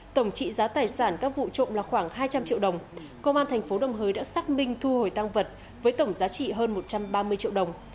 tổng trị giá tài sản các vụ trộm là khoảng hai trăm linh triệu đồng công an thành phố đồng hới đã xác minh thu hồi tăng vật với tổng giá trị hơn một trăm ba mươi triệu đồng